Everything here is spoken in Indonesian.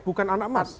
bukan anak mas